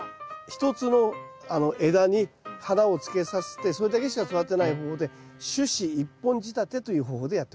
１つの枝に花をつけさせてそれだけしか育てない方法で主枝１本仕立てという方法でやっております。